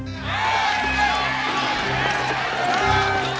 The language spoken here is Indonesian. kau tidak akan menang